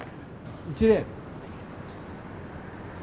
一礼。